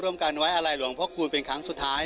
ร่วมกันวัดที่ใถ่บ้านไร้หลวงพระคูณเป็นครั้งสุดท้าย